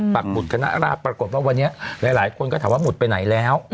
หุดคณะราชปรากฏว่าวันนี้หลายคนก็ถามว่าหุดไปไหนแล้ว